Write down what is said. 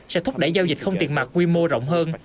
sẽ thúc đẩy giao dịch không tiền mặt quy mô rộng hơn